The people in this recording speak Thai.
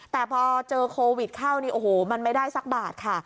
แต่พอเจอโควิดเข้านี่โอ้โหมันไม่ได้สักบาทค่ะ